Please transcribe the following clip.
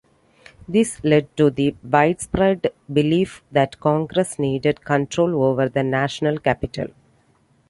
This led to the widespread belief that Congress needed control over the national capital.